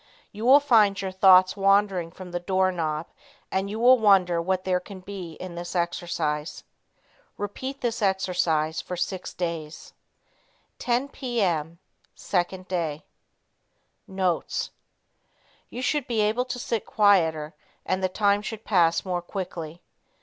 You will find your thoughts wandering from the door knob, and you will wonder what there can be in this exercise. Repeat this exercise for six days. 10 P. M. 2nd Day. Notes. You should be able to sit quieter, and the time should pass more quickly.